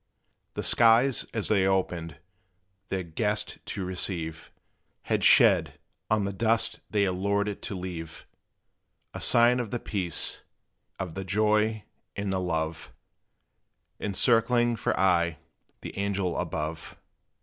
The skies, as they opened, their guest to receive, Had shed, on the dust they allured it to leave, A sign of the peace, of the joy, and the love, Encircling for aye the young angel above.